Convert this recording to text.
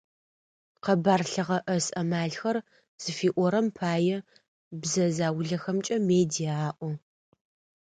«Къэбар лъыгъэӏэс амалхэр» зыфиӏорэм пае бзэ заулэхэмкӏэ «медиа» аӏо.